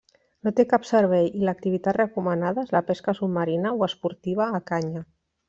No té cap servei i l'activitat recomanada és la pesca submarina o esportiva a canya.